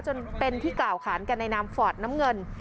จนเป็นที่กล่าวขานกันในนามฟอร์ดน้ำเงิน